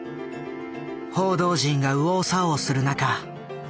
報道陣が右往左往する中。